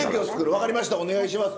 分かりましたお願いします。